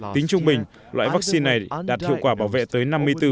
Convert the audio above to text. tính trung bình loại vaccine này đạt hiệu quả bảo vệ tới năm mươi bốn